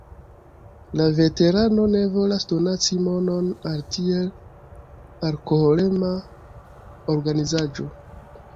La veterano ne volas donaci monon al tiel alkoholema organizaĵo.